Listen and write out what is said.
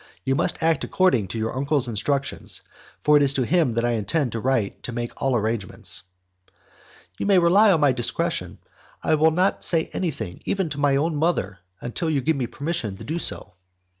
You must act according to your uncle's instructions, for it is to him that I intend to write to make all arrangements." "You may rely upon my discretion. I will not say anything even to my mother, until you give me permission to do so."